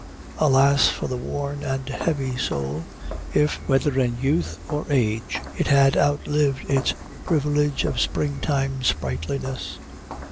Alas for the worn and heavy soul if, whether in youth or age, it have outlived its privilege of springtime sprightliness!